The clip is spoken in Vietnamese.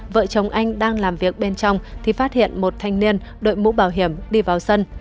vợ chồng anh đang làm việc bên trong thì phát hiện một thanh niên đội mũ bảo hiểm đi vào sân